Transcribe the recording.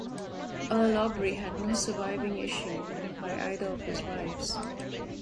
Earl Aubrey had no surviving issue by either of his wives.